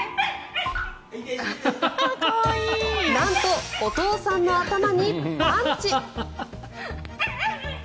なんとお父さんの頭にパンチ。